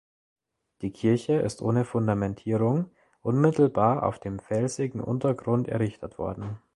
Die Kirche ist ohne Fundamentierung unmittelbar auf dem felsigen Untergrund errichtet worden.